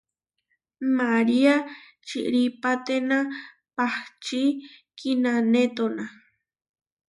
María čiʼrípatena pahčí kinanétona.